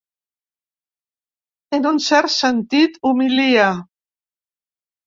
En un cert sentit, humilia.